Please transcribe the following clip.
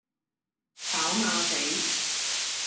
跑馬地